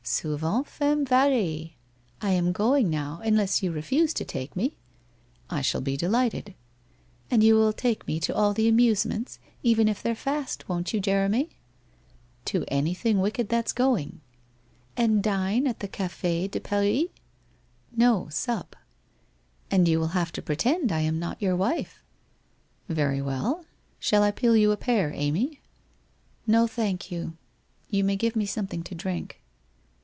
' Souvent femme varie. I am going now, unless you re fuse to take me.' ' I shall be delighted.' ' And you will take me to all the amusements, even if they're fast, won't you, Jeremy ?'' To anything wicked that's going/ ' And dine at the Cafe de Paris ?'' No, sup.' ' And you will have to pretend I am not your wife !'' Very well. Shall I peel you a pear, Amy ?'* No, thank you. You may give me something to drink.'